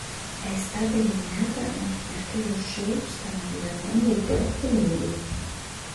È stata eliminata anche perché lo show stava diventando troppo lungo.